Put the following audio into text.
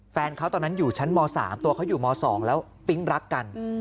แฟนเขาตอนนั้นอยู่ชั้นม๓ตัวเขาอยู่ม๒แล้วปิ๊งรักกัน